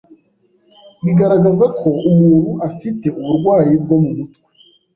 bigaragaza ko umuntu afite uburwayi bwo mu mutwe